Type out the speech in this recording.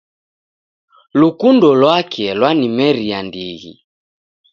Lukundo lwake lwanimeria ndighi